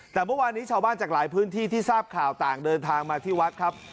แต่เมื่อวานนี้ชาวบ้านจากหลายพื้นที่ที่ทราบข่าวต่างเดินทางมาที่วัดครับ